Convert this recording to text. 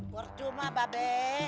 buat cuma mbak be